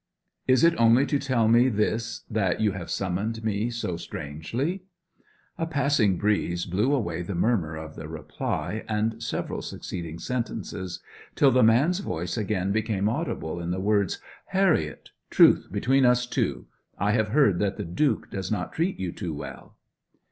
'Is it only to tell me this that you have summoned me so strangely?' A passing breeze blew away the murmur of the reply and several succeeding sentences, till the man's voice again became audible in the words, 'Harriet truth between us two! I have heard that the Duke does not treat you too well.'